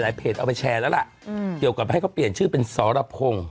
เพจเอาไปแชร์แล้วล่ะเกี่ยวกับให้เขาเปลี่ยนชื่อเป็นสรพงศ์